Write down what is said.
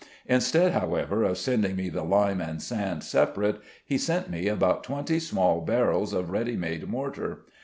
Instead, however, of sending me the lime and sand separate, he sent me about twenty small barrels of ready made mortar.